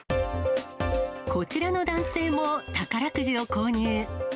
こちらの男性も宝くじを購入。